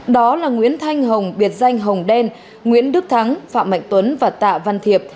đó là nguyễn thanh hồng biệt danh hồng đen nguyễn đức thắng phạm mạnh tuấn và tạ văn thiệp